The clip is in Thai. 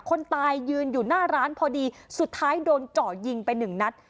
คนตายยืนอยู่หน้าร้านพอดีสุดท้ายโดนเจาะยิงไปหนึ่งนัด